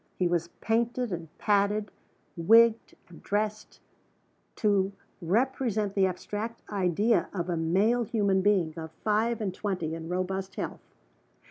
He was painted and padded, wigged and dressed, to represent the abstract idea of a male human being of five and twenty in robust health.